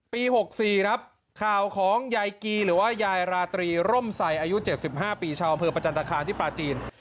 ๖๔ครับข่าวของยายกีหรือว่ายายราตรีร่มใส่อายุ๗๕ปีชาวอำเภอประจันตคารที่ปลาจีน